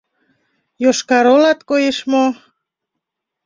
Йошкар-Олат коеш мо?